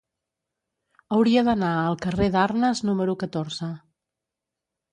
Hauria d'anar al carrer d'Arnes número catorze.